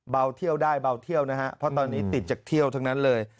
เที่ยวได้เบาเที่ยวนะฮะเพราะตอนนี้ติดจากเที่ยวทั้งนั้นเลย